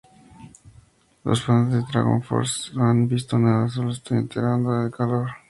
Los fans de DragonForce no han visto nada, sólo estoy entrando en calor!